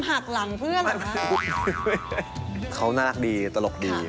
หลังจากนั้นสถานต่ออย่างไรบ้างพี่แตม